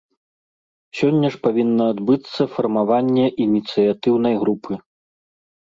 Сёння ж павінна адбыцца фармаванне ініцыятыўнай групы.